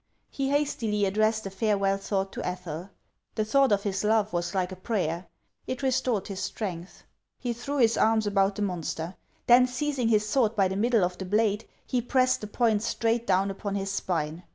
He hastily addressed a farewell thought to Ethel. The thought of his love was like a prayer ; it restored his strength. He threw his arms about the monster; then 328 HANS OF ICELAND. seizing his sword by the middle of the hlade, he pressed the point straight down upon his spine.